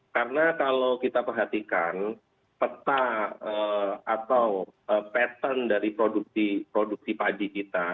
karena kalau kita perhatikan peta atau pattern dari produksi pagi kita